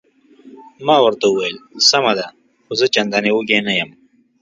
ما ورته وویل: سمه ده، خو زه چندانې وږی نه یم.